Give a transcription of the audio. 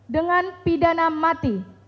dengan pidana mati